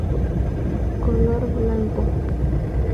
Color: blanco.